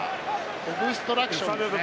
オブストラクションですね。